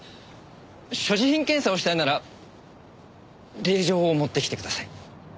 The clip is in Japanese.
所持品検査をしたいなら令状を持ってきてください。